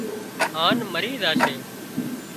هانَ مرِي زاشي